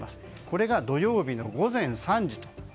これが土曜日の午前３時と。